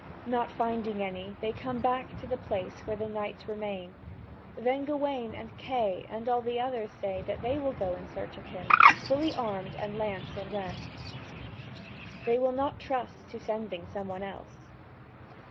Not finding any, they come back to the place where the knights remain; then Gawain and Kay and all the others say that they will go in search of him, fully armed and lance in rest; they will not trust to sending some one else.